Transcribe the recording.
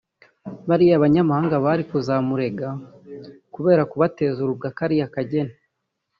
bariya banyamahanga bari kuzamurega kubera kubateza urubwa kariya kageni